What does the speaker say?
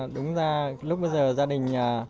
đúng ra lúc bây giờ gia đình